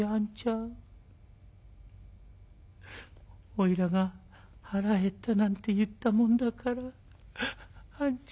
おいらが腹減ったなんて言ったもんだからあんちゃん」。